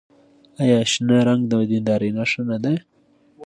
آیا شنه رنګ د دیندارۍ نښه نه ده؟